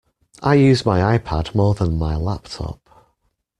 I use my iPad more than my laptop